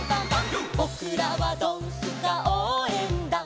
「ぼくらはドンスカおうえんだん」